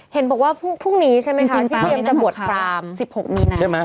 เห็นบอกว่าพรุ่งนี้ใช่ไหมคะที่เตรียมจะบวชพราม๑๖มีนาใช่ไหม